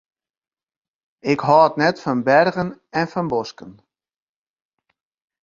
Ik hâld net fan bergen en fan bosken.